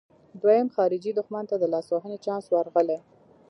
دویم خارجي دښمن ته د لاسوهنې چانس ورغلی.